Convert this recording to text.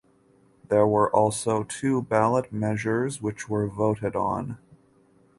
There were also two ballot measures which were voted on.